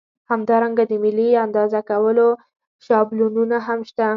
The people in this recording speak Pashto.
همدارنګه د ملي اندازه کولو شابلونونه هم شته.